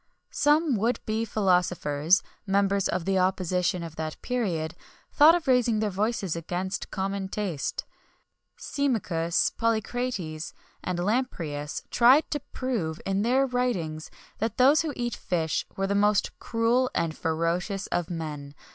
[XXI 14] Some would be philosophers, members of the opposition of that period, thought of raising their voices against the common taste. Symmachus, Polycrates, and Lamprias, tried to prove, in their writings, that those who eat fish were the most cruel and ferocious of men.